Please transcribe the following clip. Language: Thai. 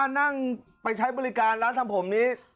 นั่งไปใช้บริการร้านทำผมนี้